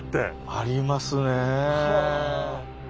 ありますねえ。